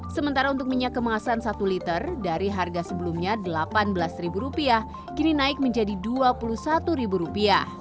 sementara untuk minyak kemasan satu liter dari harga sebelumnya rp delapan belas kini naik menjadi rp dua puluh satu